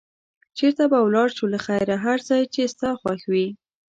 چېرته به ولاړ شو له خیره؟ هر ځای چې ستا خوښ وي.